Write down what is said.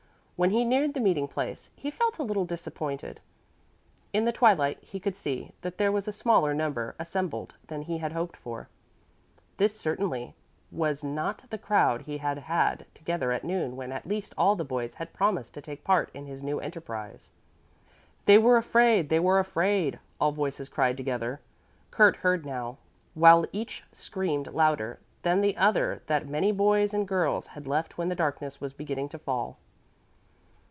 When he neared the meeting place, he felt a little disappointed. In the twilight he could see that there was a smaller number assembled than he had hoped for. This certainly was not the crowd he had had together at noon when at least all the boys had promised to take part in his new enterprise. "They were afraid, they were afraid," all voices cried together. Kurt heard now, while each screamed louder than the other that many boys and girls had left when the darkness was beginning to fall.